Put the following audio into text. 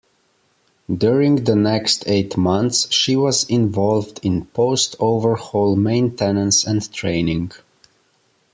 During the next eight months, she was involved in post-overhaul maintenance and training.